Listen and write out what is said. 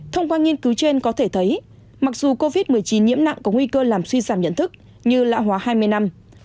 thông qua nghiên cứu trên có thể thấy mặc dù covid một mươi chín nhiễm nặng có nguy cơ làm suy giảm nhận thức như lã hóa hai mươi năm